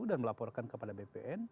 dan melaporkan kepada bpn